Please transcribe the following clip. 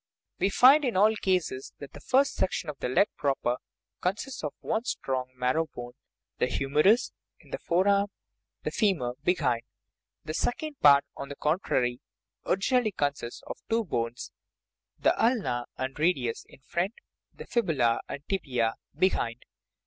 We find in all cases that the first section of the leg proper consists of one strong marrow bone (the humerus, in the forearm ; the femur, behind) ; the second part, on the contrary, originally always consists of two bones (the ulna and radius, in front; the fibula and tibia, behind).